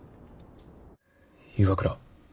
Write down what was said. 岩倉。